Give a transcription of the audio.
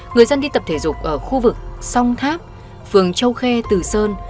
người dân đi tập thể dục ở khu vực song tháp phường châu khê từ sơn